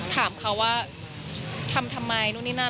ถามเขาว่าทำทำไมนู่นนี่นั่น